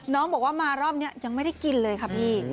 น้องบอกว่ามารอบนี้ยังไม่ได้กินเลยค่ะพี่